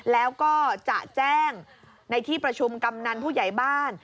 แล้วก็จะแจ้งในที่ประชุมกำนันผู้ใหญ่บ้าน